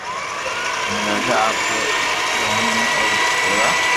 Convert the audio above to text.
ھين راجا آپري دوھن ۾ اوري ݾيوا